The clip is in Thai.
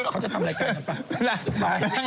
เขาจะทำอะไรใกล้ไป